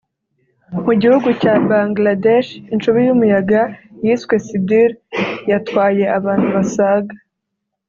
Mu gihugu cya Bangladesh incubi y’umuyaga yiswe Sidr yatwaye abantu basaga